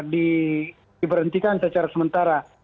diberhentikan secara sementara